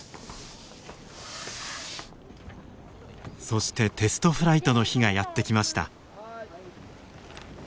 そしてテストフライトの日がやって来ました。